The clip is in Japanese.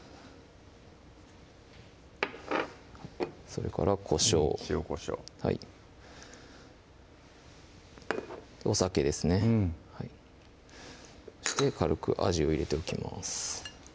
それからこしょう塩・こしょうお酒ですねそして軽く味を入れておきます